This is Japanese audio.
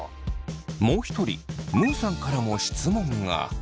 もう一人むうさんからも質問が。